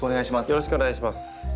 よろしくお願いします。